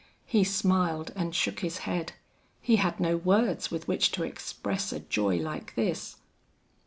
He smiled and shook his head; he had no words with which to express a joy like this.